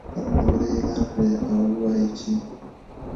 خپلې نمرې اعلان کړي او ووایي چې